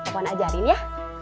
pon ajarin ya